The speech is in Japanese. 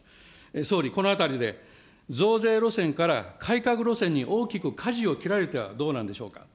総理、このあたりで、増税路線から改革路線に大きくかじを切られてはどうなんでしょうか。